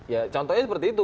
ya contohnya seperti itu